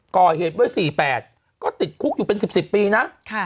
ก่อเหตุเมื่อ๔๘ก็ติดคุกอยู่เป็น๑๐ปีนะ